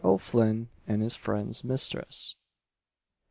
O'FLINN, AND HIS FRIEND'S MISTRESS.